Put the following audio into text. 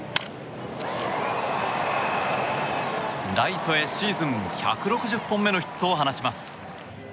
ライトへ、シーズン１６０本目のヒットを放ちます。